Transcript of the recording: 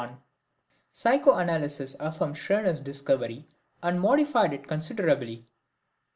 Psychoanalysis affirmed Scherner's discovery and modified it considerably.